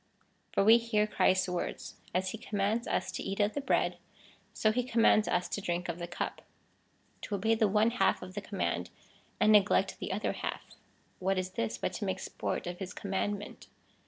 ^ For we hear Christ's words. As he commands us to eat of the bread, so he commands us to drink of the cup. To obey the one half of the command and neglect the other half — what is this but to make sport of his command ment